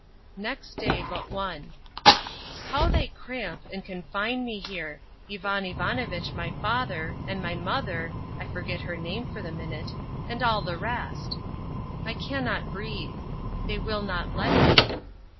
Next Day but one. How they cramp and confine me here—Ivan Ivanovitch my father, and my mother (I forget her name for the minute), and all the rest. I cannot breathe. They will not let me.